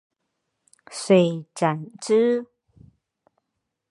遂斩之。